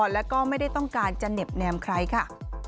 แล้วก็ไม่ได้ต้องการจะเหน็บแนมใครค่ะ